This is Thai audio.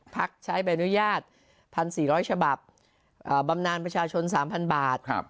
พักใช้ใบอนุญาต๑๔๐๐ฉบับบำนานประชาชน๓๐๐บาท